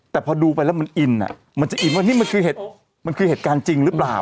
แต่พอดูไปแล้วมันอินมันจะอินว่านี่มันคือเห็ดมันคือเหตุการณ์จริงหรือเปล่า